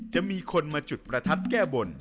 จะมีคนมาจุดประทัดแก้บน